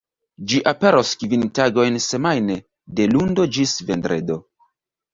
Ĝi aperos kvin tagojn semajne, de lundo ĝis vendredo.